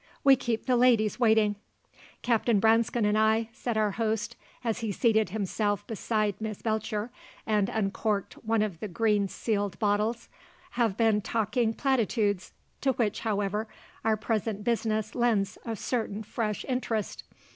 "We keep the ladies waiting." "Captain Branscome and I," said our host, as he seated himself beside Miss Belcher, and uncorked one of the green sealed bottles, "have been talking platitudes, to which, however, our present business lends a certain fresh interest.